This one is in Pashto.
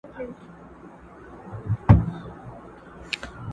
د ځوانۍ عمر چي تېر سي بیا په بیرته نه راځینه!!